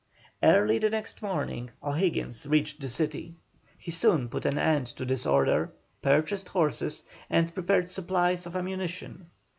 Early the next morning O'Higgins reached the city. He soon put an end to disorder, purchased horses, and prepared supplies of ammunition.